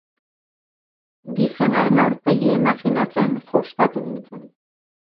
Gizon haren aurpegia imajinatzen jostatu nintzen.